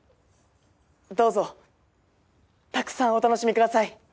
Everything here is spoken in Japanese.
どうぞたくさんお楽しみください！